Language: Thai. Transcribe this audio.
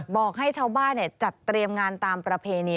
บอกให้ชาวบ้านจัดเตรียมงานตามประเพณี